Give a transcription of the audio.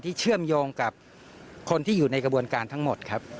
เชื่อมโยงกับคนที่อยู่ในกระบวนการทั้งหมดครับ